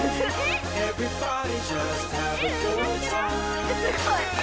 すごい！